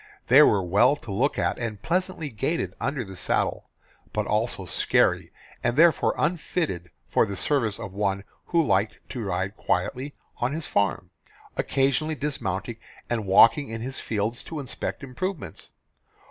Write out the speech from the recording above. They were well to look at, and pleasantly gaited under the saddle, but also scary and therefore unfitted for the service of one who liked to ride quietly on his farm, occasionally dismounting and walking in his fields to inspect improvements.